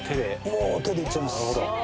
もう手でいっちゃいます。